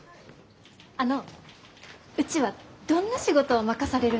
あのうちはどんな仕事を任されるんでしょう？